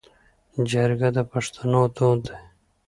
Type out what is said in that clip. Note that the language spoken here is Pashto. جرګه د پښتنو دود دی